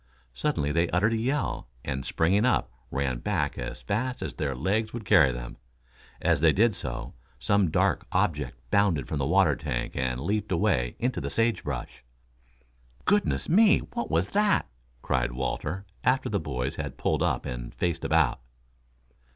Suddenly they uttered a yell, and, springing up, ran back as fast as their legs would carry them. As they did so, some dark object bounded from the water tank and leaped away into the sage brush. "Goodness me, what was that?" cried Walter, after the boys had pulled up and faced about.